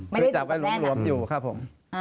คือจับไว้หลวมอยู่ครับผม